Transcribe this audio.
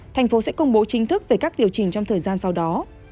thành phố sẽ công bố chính thức về các điều chỉnh trong thời gian sau đó